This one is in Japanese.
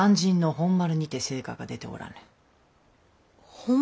本丸？